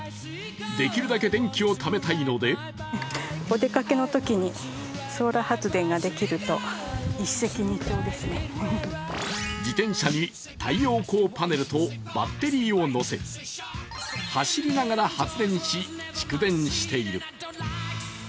できるだけ電気をためたいので自転車に太陽光パネルとバッテリーをのせ、走りながら発電し、蓄電している。